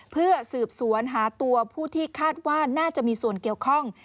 เพื่อสืบสวนหาตัวผู้ที่คาดว่าน่าจะมีส่วนเกี่ยวข้อง